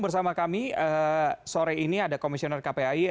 bersama kami sore ini ada komisioner kpai